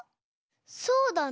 そうだね。